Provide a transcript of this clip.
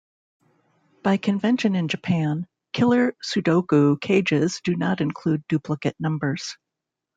By convention in Japan, killer sudoku cages do not include duplicate numbers.